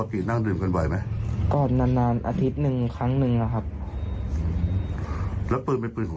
เพื่อนในกลุ่มใช่ไหม